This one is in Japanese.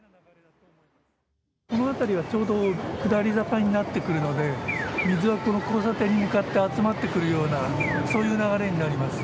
この辺りはちょうど下り坂になってくるので水はこの交差点に向かって集まってくるようなそういう流れになります。